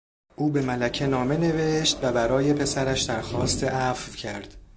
او به ملکه نامه نوشت و برای پسرش درخواست عفو کرد.